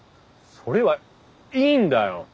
それはいいんだよ。